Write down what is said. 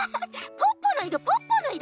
ポッポのいろポッポのいろ！